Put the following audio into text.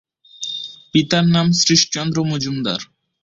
পিতার নাম শ্রীশচন্দ্র মজুমদার।